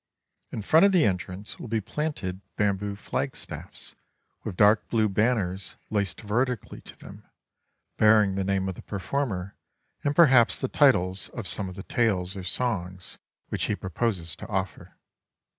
In front of the entrance will be planted bamboo flagstaffs, with dark blue banners laced vertically to them, bear ing the name of the performer, and perhaps the titles of some of the tales or songs which he proposes to offer.